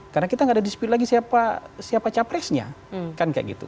karena kita tidak ada dispute lagi siapa capresnya